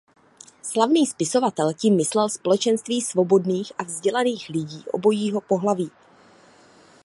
Slavný spisovatel tím myslel společenství svobodných a vzdělaných lidí obojího pohlaví.